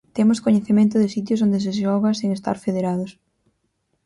Temos coñecemento de sitios onde se xoga sen estar federados.